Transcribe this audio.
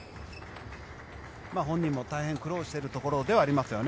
本人も大変苦労しているところではありますよね。